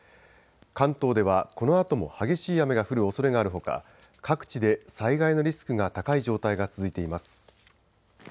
関東ではこのあとも激しい雨が降るおそれがあるほか各地で災害のリスクが高い状態が続いています。